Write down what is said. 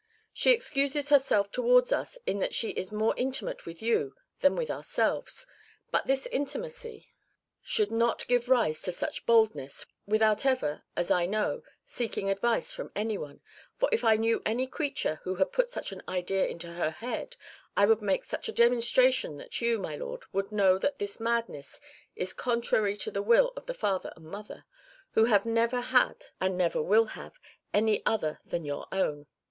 She excuses herself towards us in that she is more intimate with you than with ourselves, but this intimacy should not give rise to such boldness, without ever as I know seeking advice from any one, for if I knew any creature who had put such an idea into her head, I would make such a demonstration that you, my lord, would know that this madness is contrary to the will of the father and mother, who have never had, and never will have, any other than your own."